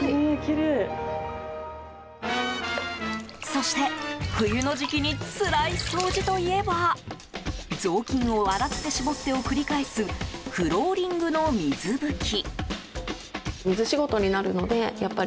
そして冬の時期につらい掃除といえば雑巾を洗って絞ってを繰り返すフローリングの水拭き。